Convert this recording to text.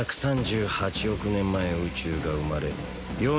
１３８億年前宇宙が生まれ